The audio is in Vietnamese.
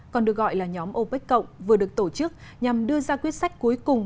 còn được gọi là nhóm opec cộng vừa được tổ chức nhằm đưa ra quyết sách cuối cùng